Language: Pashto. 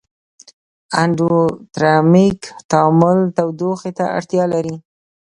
اندوترمیک تعامل تودوخې ته اړتیا لري.